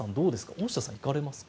大下さん、行かれますか？